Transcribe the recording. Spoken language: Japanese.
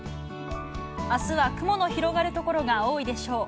あすは雲の広がる所が多いでしょう。